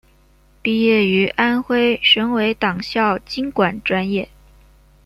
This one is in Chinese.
毕业于安徽省委党校经管专业。